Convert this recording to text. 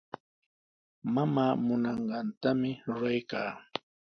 Mamaa munanqantami ruraykaa.